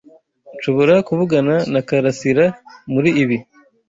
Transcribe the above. Nshobora kuvugana na Karasira muri ibi.